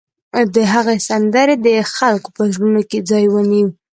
د هغه سندرې د خلکو په زړونو کې ځای ونیو